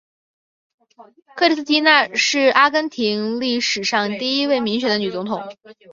克里斯蒂娜是阿根廷历史上第一位民选的女总统。